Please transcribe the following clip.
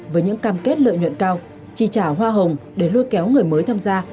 với những cam kết lợi nhuận cao chi trả hoa hồng để lôi kéo người mới tham gia